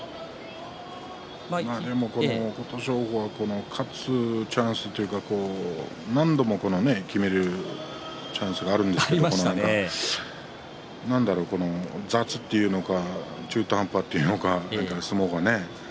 琴勝峰は勝つチャンスというか何度もきめるチャンスがあるんですが何でしょう、雑というのか中途半端というのか相撲が。